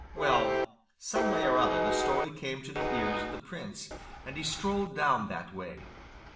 Well, some way or other the story came to the ears of the prince, and he strolled down that way.